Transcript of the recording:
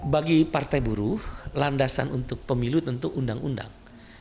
bagi partai buruh landasan untuk pemilu tentu undang undang